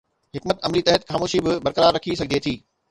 حڪمت عملي تحت خاموشي به برقرار رکي سگهجي ٿي.